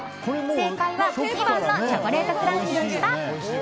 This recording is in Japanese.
正解は２番のチョコレートクランチでした。